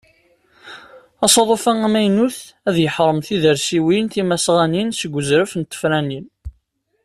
Asaḍuf-a amaynut ad yeḥrem tidersiwin timasɣanin seg uzref n tefranin.